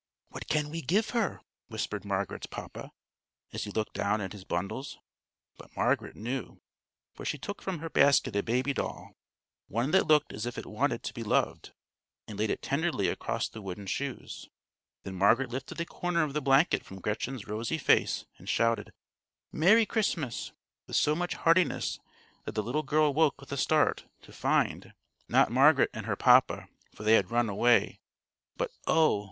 "What can we give her?" whispered Margaret's papa, as he looked down at his bundles; but Margaret knew, for she took from her basket a baby doll one that looked as if it wanted to be loved and laid it tenderly across the wooden shoes. Then Margaret lifted a corner of the blanket from Gretchen's rosy face and shouted "Merry Christmas!" with so much heartiness that the little girl woke with a start to find, not Margaret and her papa, for they had run away, but, oh!